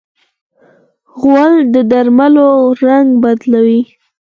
غول د درملو رنګ بدلوي.